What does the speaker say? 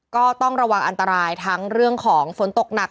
ก็ต้องระวังอันตรายทั้งเรื่องของฝนตกหนัก